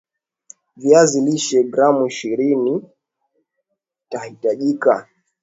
viazi lishe gram ishiriniitahitajika